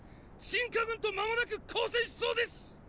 晋夏軍と間もなく交戦しそうです！